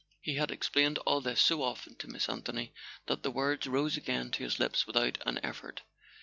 He had explained all this so often to Miss Anthony that the words rose again to his lips without an effort.